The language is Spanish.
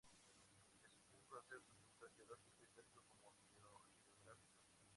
Es un concepto tanto geológico-histórico como biogeográfico.